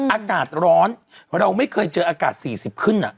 อากาศร้อนเราไม่เคยเจออากาศ๔๐ขึ้น